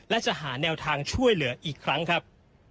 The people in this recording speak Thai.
และจะหาแนวทางช่วยเหลืออีกครั้งครับ